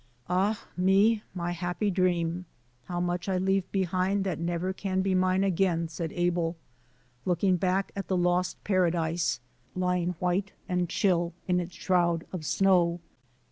"Ah, me ! my happy dream. How much I leave behind that never can be mine again," said Abel, looking back at the lost Paradise, lying white and chill in its shroud of snow.